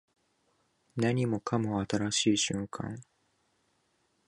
何もかも新しい瞬間